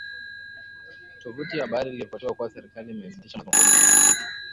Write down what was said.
Tovuti ya habari iliripoti kuwa serikali imesitisha mazungumzo